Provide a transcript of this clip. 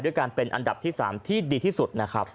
ด้วยการเป็นอันดับที่๓ที่ดีที่สุดนะครับ